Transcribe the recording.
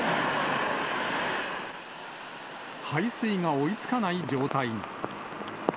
排水が追いつかない状態に。